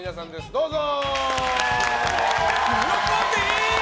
どうぞ！